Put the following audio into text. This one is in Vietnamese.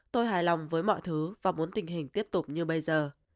tôi hài lòng với mọi thứ và muốn tình hình tiếp tục như bây giờ